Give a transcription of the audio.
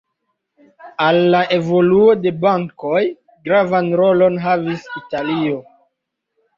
Al la evoluo de bankoj gravan rolon havis Italio.